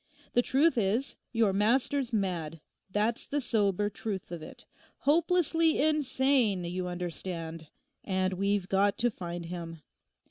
The truth is your master's mad, that's the sober truth of it—hopelessly insane, you understand; and we've got to find him.